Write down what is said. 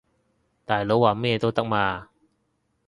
大佬話講咩都得嘛